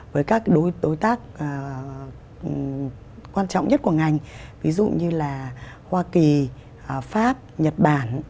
với các đối tác quan trọng nhất của ngành ví dụ như là hoa kỳ pháp nhật bản